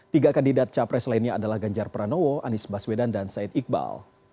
tiga kandidat capres lainnya adalah ganjar pranowo anies baswedan dan said iqbal